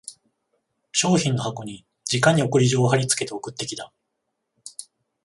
商品の箱にじかに送り状を張りつけて送ってきた